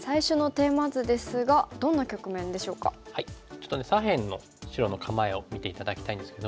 ちょっとね左辺の白の構えを見て頂きたいんですけども。